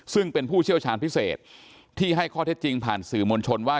ซึ่งเป็นผู้เชี่ยวชาญพิเศษที่ให้ข้อเท็จจริงผ่านสื่อมวลชนว่า